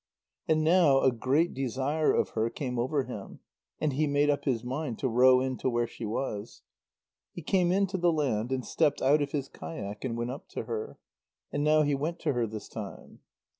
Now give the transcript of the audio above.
And now a great desire of her came over him, and he made up his mind to row in to where she was. He came in to the land, and stepped out of his kayak and went up to her. And now he went to her this time.